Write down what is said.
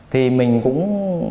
thì mình cũng